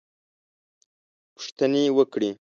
پوښتنې وکړې.